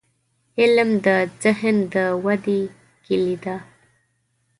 • علم، د ذهن د ودې کلي ده.